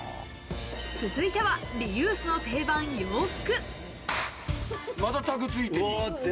続いてはリユースの定番、洋服。